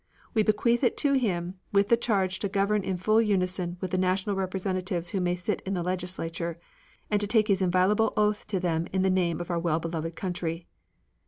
We bequeath it to him with the charge to govern in full unison with the national representatives who may sit in the legislature, and to take his inviolable oath to them in the name of our well beloved country.